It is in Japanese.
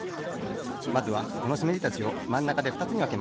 まずはこのしめじたちをまんなかでふたつにわけます。